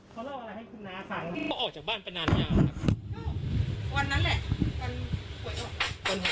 เขาเล่าอะไรให้คุณนาฟังออกจากบ้านไปนานนี้วันนั้นแหละวันหวยออก